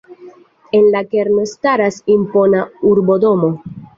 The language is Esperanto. En la kerno staras impona urbodomo.